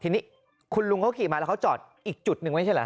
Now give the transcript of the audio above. ทีนี้คุณลุงเขาขี่มาแล้วเขาจอดอีกจุดหนึ่งไม่ใช่เหรอ